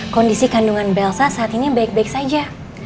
kondisi kandungan belsa saat ini baik baik saja